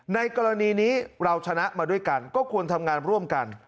ในกรณีนี้เราชนะมาด้วยกันก็ควรทำงานร่วมกัน